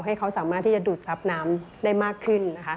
ให้เขาสามารถที่จะดูดซับน้ำได้มากขึ้นนะคะ